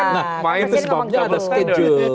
nah main sebabnya ada schedule